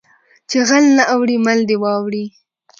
ـ چې غل نه اوړي مل دې واوړي .